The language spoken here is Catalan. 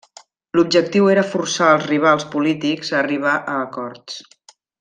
L'objectiu era forçar als rivals polítics a arribar a acords.